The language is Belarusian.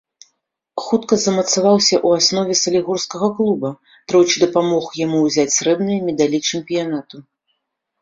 Хутка замацаваўся ў аснове салігорскага клуба, тройчы дапамог яму ўзяць срэбныя медалі чэмпіянату.